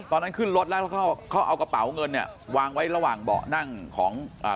ตอนนั้นขึ้นรถแล้วแล้วเขาเขาเอากระเป๋าเงินเนี่ยวางไว้ระหว่างเบาะนั่งของอ่า